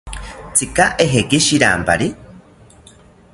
¿Tzika ejeki shirampari?